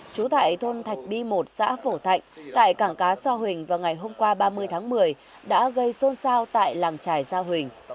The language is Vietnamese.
trú tại thôn thạch bi một xã phổ thạnh tại cảng cá so huỳnh vào ngày hôm qua ba mươi tháng một mươi đã gây xôn xao tại làng trải sa huỳnh